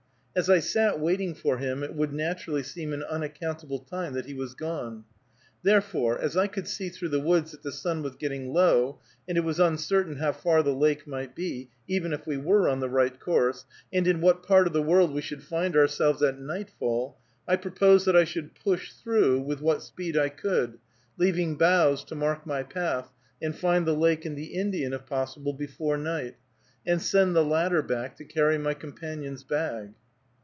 As I sat waiting for him, it would naturally seem an unaccountable time that he was gone. Therefore, as I could see through the woods that the sun was getting low, and it was uncertain how far the lake might be, even if we were on the right course, and in what part of the world we should find ourselves at nightfall, I proposed that I should push through with what speed I could, leaving boughs to mark my path, and find the lake and the Indian, if possible, before night, and send the latter back to carry my companion's bag.